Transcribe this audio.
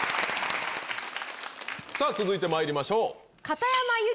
続いてまいりましょう。